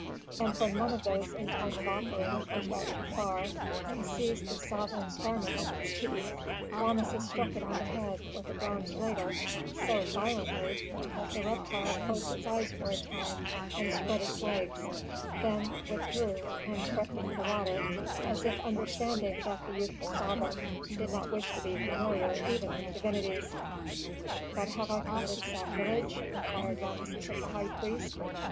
And when one of these in time of offering pushed out too far and seized the sovereign's garment with its teeth, Rameses struck it on the head with a bronze ladle so violently that the reptile closed its eyes for a time, and spread its legs, then withdrew and crept into the water, as if understanding that the youthful sovereign did not wish to be familiar even with divinities. "But have I committed sacrilege?" inquired Rameses of the high priest.